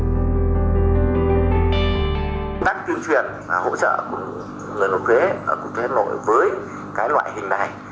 cách tuyên truyền và hỗ trợ người nộp thuế ở cục thuế nội với cái loại hình này